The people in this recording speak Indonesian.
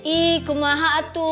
eh kumaha atu